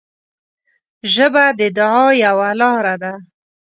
ژبه د دعا یوه لاره ده